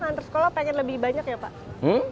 antar sekolah pengen lebih banyak ya pak